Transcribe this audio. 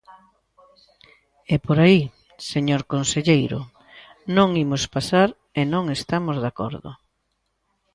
E por aí, señor conselleiro, non imos pasar e non estamos de acordo.